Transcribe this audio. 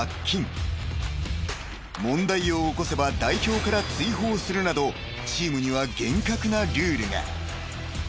［問題を起こせば代表から追放するなどチームには厳格なルールが］